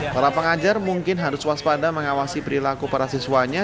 para pengajar mungkin harus waspada mengawasi perilaku para siswanya